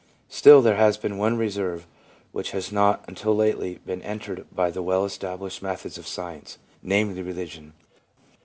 Still, there has been one reserve which has not, until lately, been entered by the well established methods of science, namely, religion.